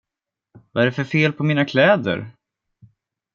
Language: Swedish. Vad är det för fel på mina kläder?